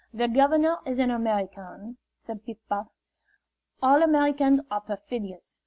"The governor is an American," said Piff Paff. "All Americans are perfidious.